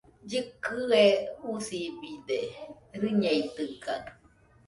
Llɨkɨe usibide, rɨñeitɨkaɨ